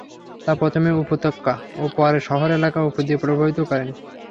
তা প্রথমে উপত্যকা ও পরে শহর এলাকার উপর দিয়ে প্রবাহিত করেন।